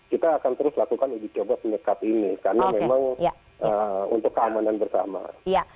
kita akan terus lakukan uji coba penyekat ini karena memang untuk keamanan bersama